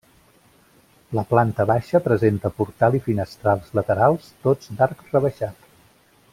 La planta baixa presenta portal i finestrals laterals tots d'arc rebaixat.